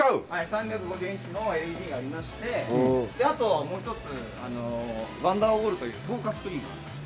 ３５０インチのＬＥＤがありましてあともう一つワンダーウォールという透過スクリーンがあるんです。